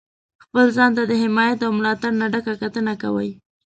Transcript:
خپل ځان ته د حمایت او ملاتړ نه ډکه کتنه کوئ.